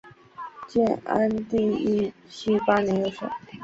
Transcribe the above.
晋安帝义熙八年又省。